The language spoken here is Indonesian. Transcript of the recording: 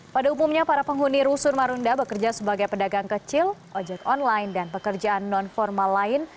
pada umumnya para penghuni rusun marunda bekerja sebagai pedagang kecil ojek online dan pekerjaan non formal lain